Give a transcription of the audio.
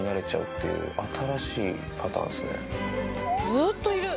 ずっといる。